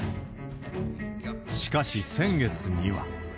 しかし先月には。